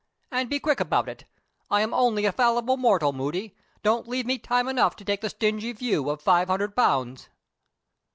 And be quick about it. I am only a fallible mortal, Moody. Don't leave me time enough to take the stingy view of five hundred pounds."